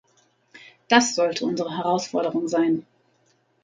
Das sollte unsere Herausforderung sein.